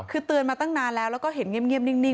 คือเตือนมาตั้งนานแล้วแล้วก็เห็นเงียบนิ่ง